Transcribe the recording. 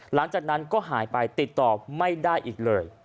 หลังจากนั้นก็หายไปติดต่อไม่ได้อีกเลย